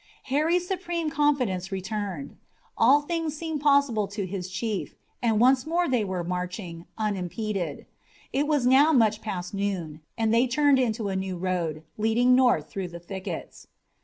Harry's supreme confidence returned. All things seemed possible to his chief, and once more they were marching, unimpeded. It was now much past noon, and they turned into a new road, leading north through the thickets.